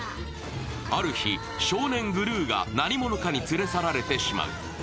ある日、少年グルーが何者かに連れ去られてしまう。